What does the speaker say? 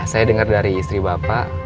saya dengar dari istri bapak